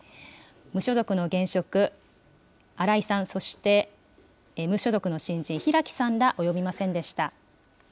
無所属の現職、荒井さん、そして、無所属の新人、平木さんら及びませんでした。